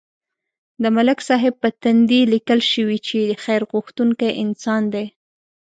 د ملک صاحب په تندي لیکل شوي چې خیر غوښتونکی انسان دی.